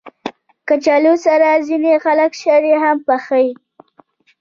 کچالو سره ځینې خلک شړې هم پخوي